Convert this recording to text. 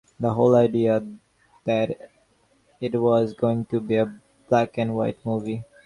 The whole idea that it was going to be a black-and-white movie.